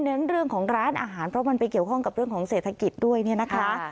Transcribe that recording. เรื่องของร้านอาหารเพราะมันไปเกี่ยวข้องกับเรื่องของเศรษฐกิจด้วยเนี่ยนะคะ